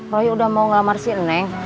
roy udah mau ngelamar si neng